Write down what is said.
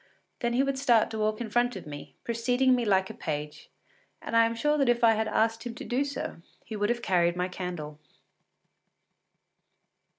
Then he would start to walk in front of me, preceding me like a page, and I am sure that if I had asked him to do so, he would have carried my candle.